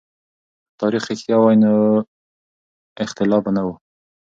که تاريخ رښتيا وای نو اختلاف به نه و.